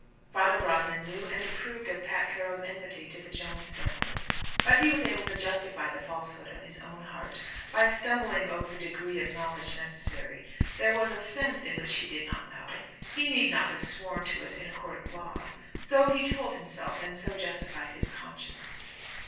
Father Brosnan knew and approved of Pat Carroll's enmity to the Jones family. But he was able to justify the falsehood of his own heart, by stumbling over the degree of knowledge necessary. There was a sense in which he did not know it. He need not have sworn to it in a Court of Law. So he told himself, and so justified his conscience.